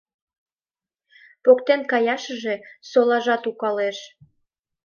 Поктен каяшыже солажат укалеш.